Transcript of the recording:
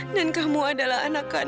dan kamu adalah anak kandung